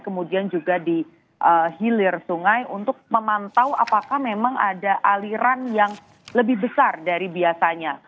kemudian juga di hilir sungai untuk memantau apakah memang ada aliran yang lebih besar dari biasanya